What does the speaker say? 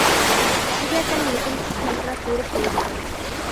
كىشىگە سەل يېقىمسىز تەسىرات بېرىپ قويىدىكەن.